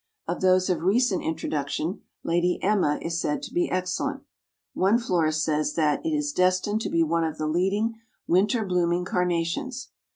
Of those of recent introduction, Lady Emma is said to be excellent. One florist says that "it is destined to be one of the leading winter blooming Carnations.